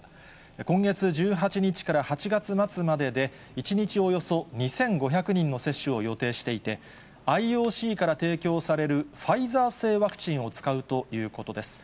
今月１８日から８月末までで、１日およそ２５００人の接種を予定していて、ＩＯＣから提供されるファイザー製ワクチンを使うということです。